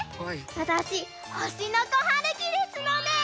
わたしほしのこはるきですので。